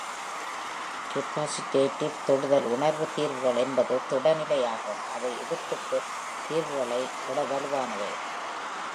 Capacitative தொடுதல் உணர் தீர்வுகள் என்பது திட நிலை ஆகும், அவை எதிர்ப்புத் தீர்வுகளை விட வலுவானவை.